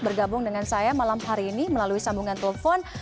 bergabung dengan saya malam hari ini melalui sambungan telepon